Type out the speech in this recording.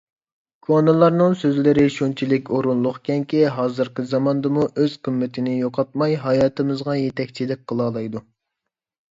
كونىلارنىڭ سۆزلىرى شۇنچىلىك ئورۇنلۇقكەنكى، ھازىرقى زاماندىمۇ ئۆز قىممىتىنى يوقاتماي، ھاياتىمىزغا يېتەكچىلىك قىلالايدۇ.